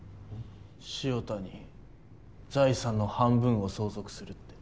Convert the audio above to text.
潮田に財産の半分を相続するって。